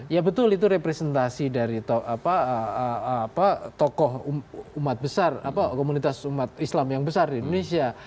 ya betul itu representasi dari tokoh umat besar komunitas umat islam yang besar di indonesia